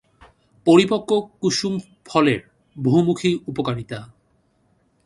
পরিপক্ব কুসুম ফলের বহুমুখী উপকারিতা।